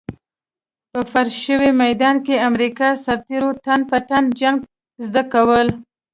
په فرش شوي ميدان کې امريکايي سرتېرو تن په تن جنګ زده کول.